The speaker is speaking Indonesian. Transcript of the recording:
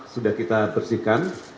sudah kita bersihkan